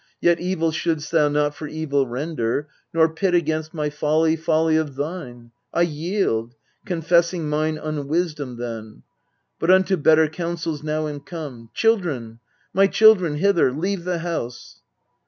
Yet evil shouldst thou not for evil render, Nor pit against my folly folly of thine. 1 yield, confessing mine unwisdom then, But unto better counsels now am come. Children, my children, hither : leave the house.